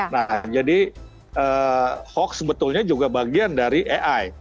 nah jadi hoax sebetulnya juga bagian dari ai